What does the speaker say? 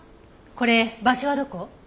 これ場所はどこ？